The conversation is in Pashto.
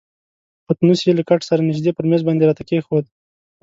پتنوس یې له کټ سره نژدې پر میز باندې راته کښېښود.